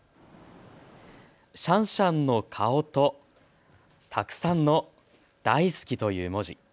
シャンシャンの顔とたくさんのダイスキという文字。